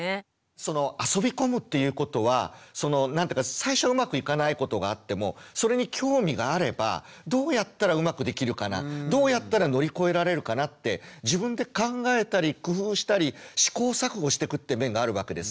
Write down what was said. そのあそび込むっていうことはその何ていうか最初うまくいかないことがあってもそれに興味があればどうやったらうまくできるかなどうやったら乗り越えられるかなって自分で考えたり工夫したり試行錯誤してくって面があるわけです。